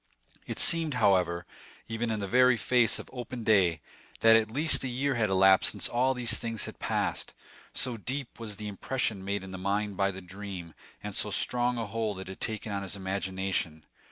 It seemed, however, even in the very face of open day, that at least a year had elapsed since all these things had passed, so deep was the impression made in his mind by the dream, and so strong a hold had it taken of his imagination.